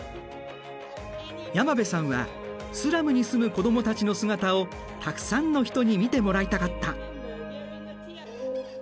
山邊さんはスラムに住む子供たちの姿をたくさんの人に見てもらいたかった。